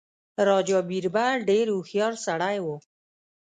راجا بیربل ډېر هوښیار سړی وو.